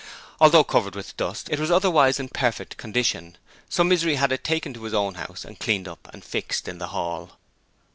Although covered with dust, it was otherwise in perfect condition, so Misery had it taken to his own house and cleaned up and fixed in the hall.